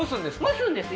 蒸すんです